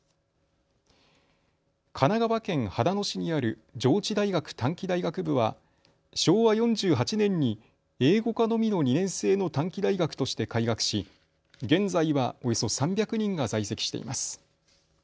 神奈川県秦野市にある上智大学短期大学部は昭和４８年に英語科のみの２年制の短期大学として開学し現在は、およそ３００人が在籍しています。